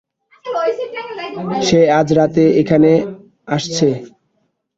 সে আজ রাতে এখানে আসছে।